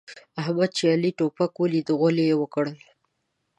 احمد چې علي توپک وليد؛ غول يې وکړل.